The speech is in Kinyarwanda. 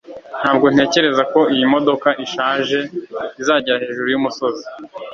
ntabwo ntekereza ko iyi modoka ishaje izagera hejuru yumusozi